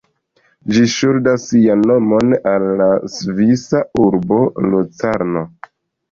Ĝi ŝuldas sian nomon al la svisa urbo Locarno.